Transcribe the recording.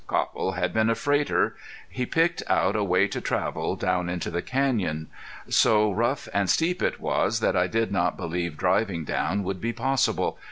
Copple had been a freighter. He picked out a way to drive down into the canyon. So rough and steep it was that I did not believe driving down would be possible.